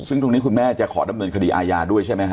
ซึ่งตรงนี้คุณแม่จะขอดำเนินคดีอาญาด้วยใช่ไหมฮ